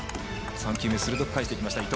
３球目鋭く返していきました伊藤。